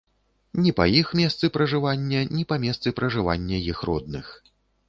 Ні па іх месцы пражывання, ні па месцы пражывання іх родных.